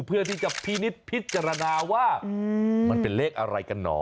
เพื่อที่จะพินิษฐ์พิจารณาว่ามันเป็นเลขอะไรกันหนอ